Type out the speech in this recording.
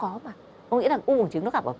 không nghĩ là u bùng trứng nó gặp vào